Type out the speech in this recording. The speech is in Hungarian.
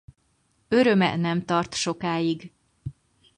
Öröme nem tart sokáig.